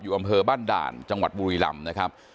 อำเภอบ้านด่านจังหวัดบุรีลำนะครับ